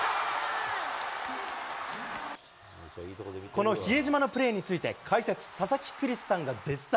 この、比江島のプレーについて、解説、佐々木クリスさんが絶賛。